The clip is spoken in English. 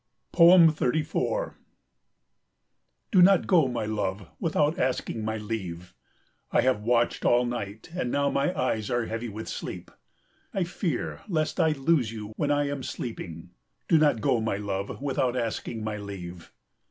34 Do not go, my love, without asking my leave. I have watched all night, and now my eyes are heavy with sleep. I fear lest I lose you when I am sleeping. Do not go, my love, without asking my leave.